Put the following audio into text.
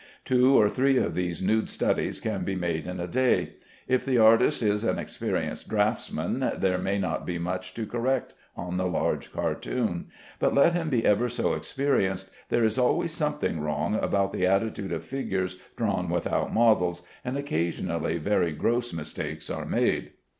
Two or three of these nude studies can be made in a day. If the artist is an experienced draughtsman, there may not be much to correct on the large cartoon; but let him be ever so experienced, there is always something wrong about the attitude of figures drawn without models, and occasionally very gross mistakes are made.